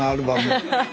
アハハハ！